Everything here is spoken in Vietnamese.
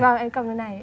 vâng em cầm như thế này